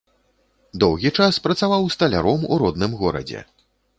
Доўгі час працаваў сталяром у родным горадзе.